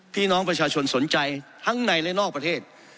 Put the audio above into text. พี่น้องประชาชนสนใจทั้งในและนอกประเทศ